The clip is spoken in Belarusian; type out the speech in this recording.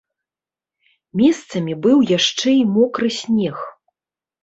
Месцамі быў яшчэ і мокры снег.